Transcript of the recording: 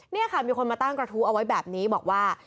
นี่ค่ะมีคนมาตั้งกระทู้เอาไว้แบบนี้บอกว่า